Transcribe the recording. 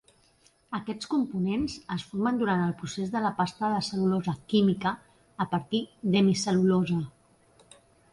Aquests components es formen durant el procés de la pasta de cel·lulosa química, a partir d'hemicel·lulosa.